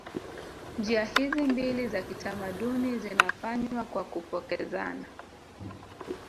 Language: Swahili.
Njia hizi mbili za kitamaduni zinafanywa kwa kupokezana